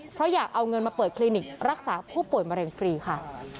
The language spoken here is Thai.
เพราะอยากเอาเงินมาเปิดคลินิกรักษาผู้ป่วยมะเร็งฟรีค่ะ